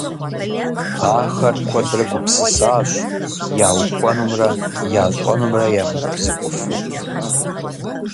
Ахэр куэдрэ гупсысащ яухуэнумрэ ящӏэнумрэ ямыубзыхуфу.